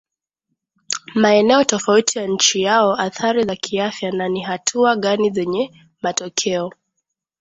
maeneo tofauti ya nchi yao athari za kiafya na ni hatua gani zenye matokeo